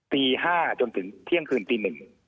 ตี๕จนถึงเที่ยงคืนตี๑